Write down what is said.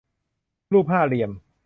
รูปห้าเหลี่ยม